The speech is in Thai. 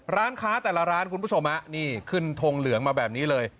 ร้านค้าแต่ละร้านคุณผู้ชมฮะนี่ขึ้นทงเหลืองมาแบบนี้เลย